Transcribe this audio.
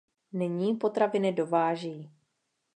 Nyní potraviny dováží.